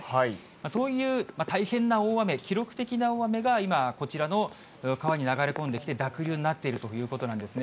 そういう大変な大雨、記録的な大雨が今、こちらの川に流れ込んできて、濁流になっているということなんですね。